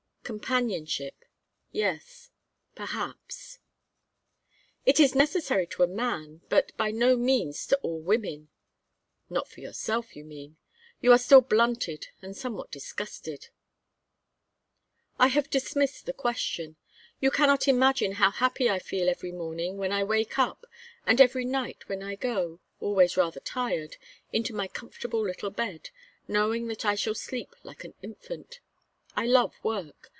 Companionship yes perhaps " "It is necessary to a man; but by no means to all women " "Not for yourself, you mean. You are still blunted and somewhat disgusted " "I have dismissed the question. You cannot imagine how happy I feel every morning when I wake up, and every night when I go, always rather tired, into my comfortable little bed, knowing that I shall sleep like an infant. I love work.